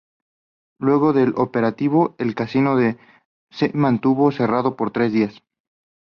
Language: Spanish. Luego del operativo, el Casino se mantuvo cerrado por tres días.